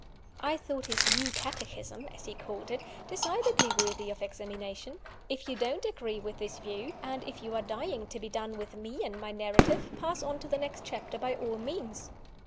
I thought his "new Catechism" (as he called it) decidedly worthy of examination. If you don't ag ree with this view, and if you are dying to be done with me and my narrative, pass on to the next chapter by all means!